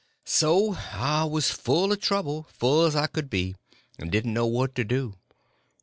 So I was full of trouble, full as I could be; and didn't know what to do.